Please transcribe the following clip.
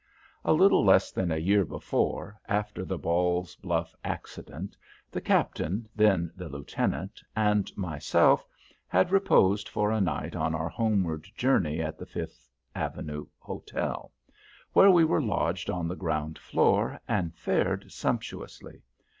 A little less than a year before, after the Ball's Bluff accident, the Captain, then the Lieutenant, and myself had reposed for a night on our homeward journey at the Fifth Avenue Hotel, where we were lodged on the ground floor, and fared sumptuously.